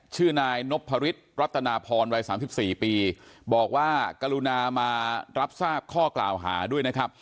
ชื่อนายนพฤษรัตนาพรวัย๓๔ปีบอกว่ากรุณามารับทราบข้อกล่าวหาด้วยนะครับ